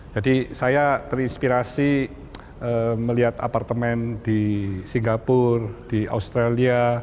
jadi saya terinspirasi melihat apartemen di singapura di australia